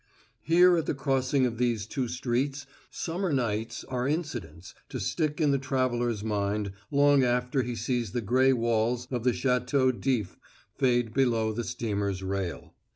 Here at the crossing of these two streets summer nights are incidents to stick in the traveler's mind long after he sees the gray walls of the Château d'If fade below the steamer's rail.